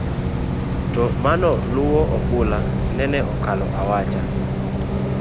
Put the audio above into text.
to manoluwo ofula nene okalo awacha